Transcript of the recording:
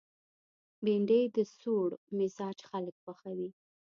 بېنډۍ د سوړ مزاج خلک خوښوي